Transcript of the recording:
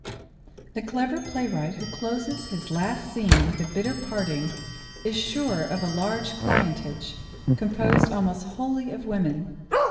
The clever playwright who closes his last scene with a bitter parting is sure of a large clientage, composed almost wholly of women.